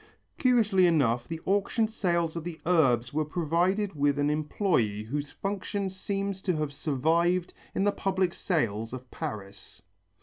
Curiously enough the auction sales of the Urbs were provided with an employé whose function seems to have survived in the public sales of Paris.